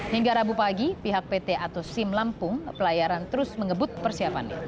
hingga rabu pagi pihak pt atau sim lampung pelayaran terus mengebut persiapannya